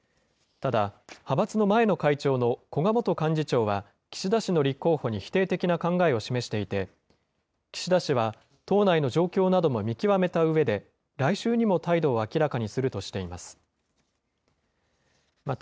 ただ、派閥の前の会長の古賀元幹事長は岸田氏の立候補に否定的な考えを示していて、岸田氏は党内の状況なども見極めたうえで、来週にも態度を明らかにするとしています。